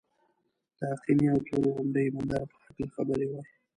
د آقینې او تور غونډۍ بندر په هکله خبرې وای.